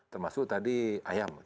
termasuk tadi ayam